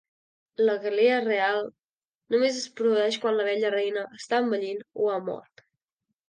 La gelea reial només es produeix quan l'abella reina està envellint o ha mort.